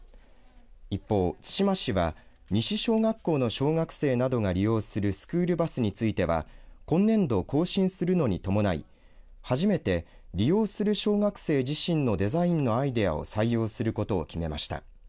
一方、対馬市は西小学校の小学生などが利用するスクールバスについては今年度、更新するのに伴い初めて利用する小学生自身のデザインのアイデアを採用することを決めました。